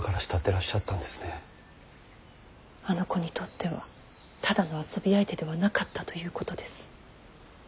あの子にとってはただの遊び相手ではなかったということです。